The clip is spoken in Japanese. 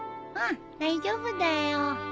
うん大丈夫だよ。